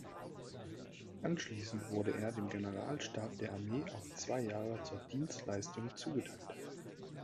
Anschließend wurde er dem Generalstab der Armee auf zwei Jahre zur Dienstleistung zugeteilt.